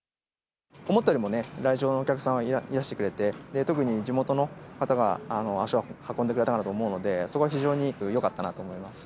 思ったよりも来場のお客さんいらしてくれて、特に地元の方が足を運んでくれたかなと思うので、そこは非常によかったなと思います。